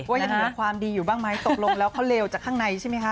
ว่ายังเหมือนความดีอยู่บ้างมั้ยตกลงแล้วเขาเลวจากข้างในใช่มั้ยคะ